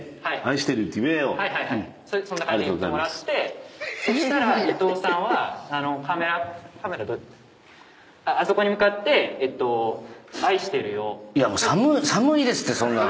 そんな感じで言ってもらってそしたら伊藤さんはあのカメラカメラどれ？あそこに向かって「愛してるよ」寒いですってそんなん。